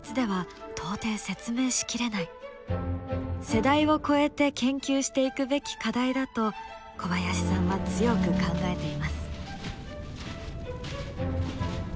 世代を超えて研究していくべき課題だと小林さんは強く考えています。